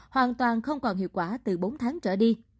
hoàn toàn không còn hiệu quả từ bốn tháng trở đi